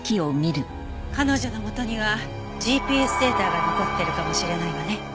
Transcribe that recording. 彼女のもとにはＧＰＳデータが残ってるかもしれないわね。